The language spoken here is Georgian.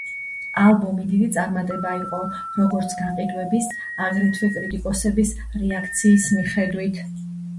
ალბომი დიდი წარმატება იყო, როგორც გაყიდვების, აგრეთვე კრიტიკოსების რეაქციის მიხედვით.